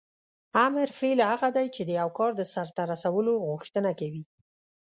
امر فعل هغه دی چې د یو کار د سرته رسولو غوښتنه کوي.